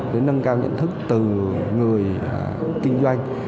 để nâng cao nhận thức từ người kinh doanh